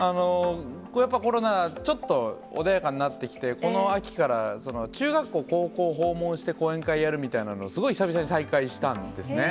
やっぱコロナ、ちょっと穏やかになってきて、この秋から中学校、高校を訪問して講演会やるみたいなのをすごい久しぶりに再開したんですね。